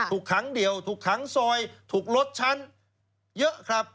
ถูกขังเดี่ยวถูกขังซอยถูกรถชั้นเยอะครับ